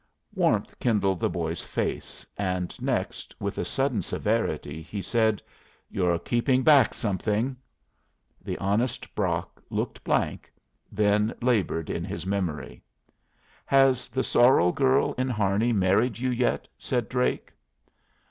Warmth kindled the boy's face, and next, with a sudden severity, he said: "You're keeping back something." The honest Brock looked blank, then labored in his memory. "Has the sorrel girl in Harney married you yet?" said Drake.